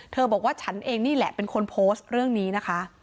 บอกว่าฉันเองนี่แหละเป็นคนโพสต์เรื่องนี้นะคะ